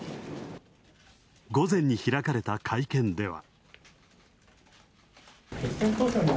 午前に開かれた会見では。